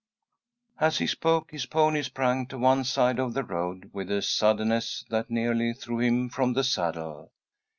As he spoke, his pony sprang to one side of the road with a suddenness that nearly threw him from the saddle.